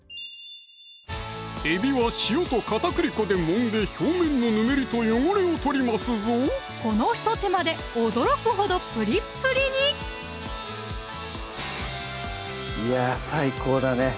えびは塩と片栗粉でもんで表面のぬめりと汚れを取りますぞこの一手間で驚くほどプリップリにいや最高だね